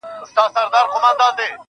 د وطن هر تن ته مي کور، کالي، ډوډۍ غواړمه.